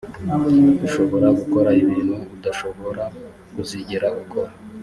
ushobora gukora ibintu udashobora kuzigera ukora